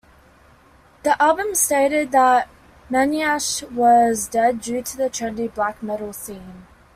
The album stated that Meyhna'ch was dead due to the trendy black metal scene.